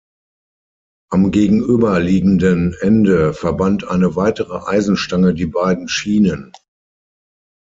Am gegenüber liegenden Ende verband eine weitere Eisenstange die beiden Schienen.